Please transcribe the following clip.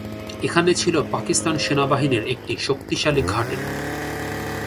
এখানে ছিল পাকিস্তান সেনাবাহিনীর একটি শক্তিশালী ঘাঁটি।